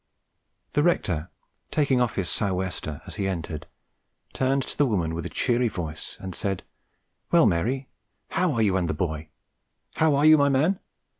The rector, taking off his "sou' wester" as he entered, turned to the woman with a cheery voice, and said, "Well, Mary, how are you and the boy? how are you, my man?